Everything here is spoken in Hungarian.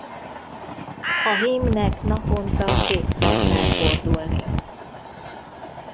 A hímnek naponta kétszer kell fordulni.